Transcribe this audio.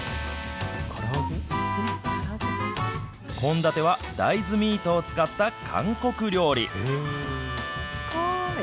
献立は大豆ミートを使った韓国料理。